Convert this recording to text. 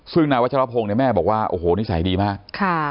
ซึ่งนายวัชรพงศ์เนี่ยแม่บอกว่าโอ้โหนิสัยดีมาก